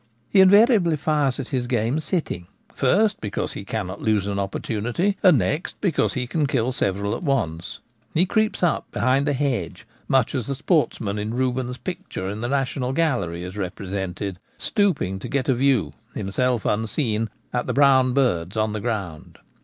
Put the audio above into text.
He invariably fires at his game sitting, first, because he cannot lose an oppor tunity, and, next, because he can kill several at once. He creeps up behind a hedge, much as the sportsman in Rubens' picture in the National Gallery is repre sented, stooping to get a view, himself unseen, at the brown birds on the ground.